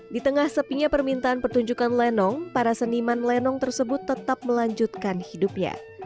di tengah sepinya permintaan pertunjukan lenong para seniman lenong tersebut tetap melanjutkan hidupnya